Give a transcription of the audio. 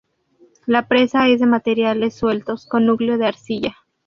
La presa es de materiales sueltos con núcleo de arcilla.